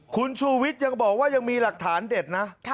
คุณชูวิทย์ยังบอกว่ายังมีหลักฐานเด็ดนะ